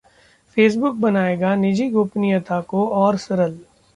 Facebook बनाएगा निजी गोपनीयता को और सरल